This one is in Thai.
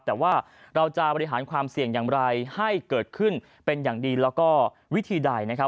แต่ว่าเราจะบริหารความเสี่ยงอย่างไรให้เกิดขึ้นเป็นอย่างดีแล้วก็วิธีใดนะครับ